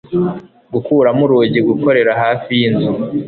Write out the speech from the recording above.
Gukuramo urugi gukorera hafi yinzu